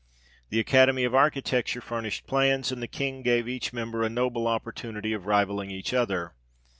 The Academy of Architecture furnished plans, and the King gave each member a noble opportunity of rivalling each other.